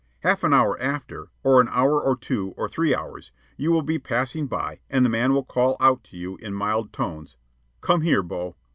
Half an hour after, or an hour or two or three hours, you will be passing by and the man will call out to you in mild tones, "Come here, Bo."